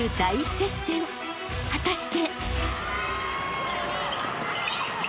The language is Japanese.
［果たして！？］